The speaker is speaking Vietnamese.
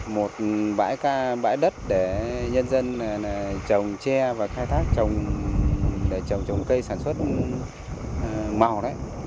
một bãi đất để nhân dân trồng tre và khai thác trồng cây sản xuất màu đấy